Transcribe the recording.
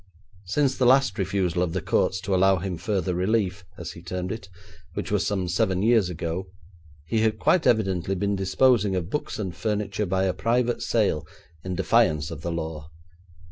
Since the last refusal of the courts to allow him further relief, as he termed it, which was some seven years ago, he had quite evidently been disposing of books and furniture by a private sale, in defiance of the law.